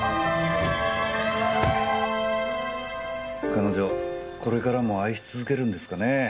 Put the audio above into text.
彼女これからも愛し続けるんですかねぇ。